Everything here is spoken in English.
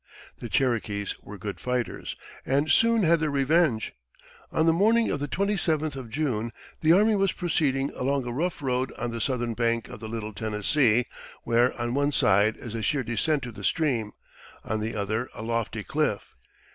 The Cherokees were good fighters, and soon had their revenge. On the morning of the twenty seventh of June the army was proceeding along a rough road on the southern bank of the Little Tennessee, where on one side is a sheer descent to the stream, on the other a lofty cliff.